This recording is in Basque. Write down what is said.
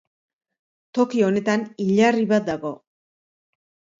Toki honetan hilarri bat dago.